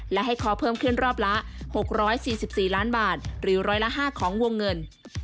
และให้ขอเพิ่มขึ้นรอบละ๖๔๔ล้านบาทหรือร้อยละ๕ของวงเงิน